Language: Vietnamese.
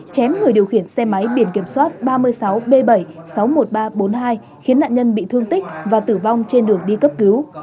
chém người điều khiển xe máy biển kiểm soát ba mươi sáu b bảy sáu mươi một nghìn ba trăm bốn mươi hai khiến nạn nhân bị thương tích và tử vong trên đường đi cấp cứu